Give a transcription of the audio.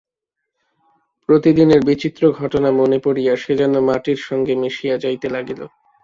প্রতিদিনের বিচিত্র ঘটনা মনে পড়িয়া সে যেন মাটির সঙ্গে মিশিয়া যাইতে লাগিল।